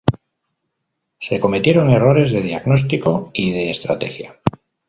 Se cometieron errores de diagnóstico y de estrategia.